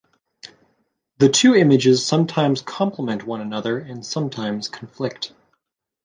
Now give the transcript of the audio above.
The two images sometimes complement one another, and sometimes conflict.